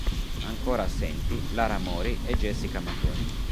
Ancora assenti Lara Mori e Jessica Mattoni.